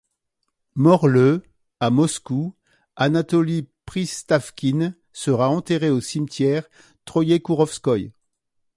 Mort le à Moscou Anatoli Pristavkine sera enterré au cimetière Troïekourovskoïe.